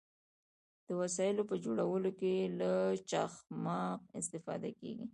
د وسایلو په جوړولو کې له چخماق استفاده کیده.